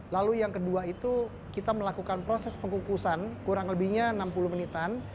lalu yang kedua itu kita melakukan proses pengukusan kurang lebihnya enam puluh menitan